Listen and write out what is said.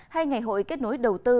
hay ngày hội kết nối đầu tư